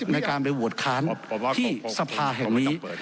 ในการไปโหวตค้านที่สภาแห่งนี้